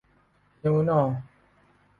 หิวน่อ